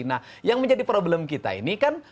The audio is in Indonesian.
nah yang menjadi problem kita ini kan